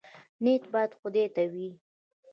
نیت باید خدای ته وي